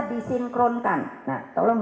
disinkronkan nah tolong